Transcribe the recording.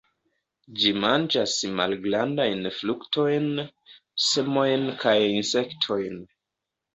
Ĝi manĝas malgrandajn fruktojn, semojn kaj insektojn.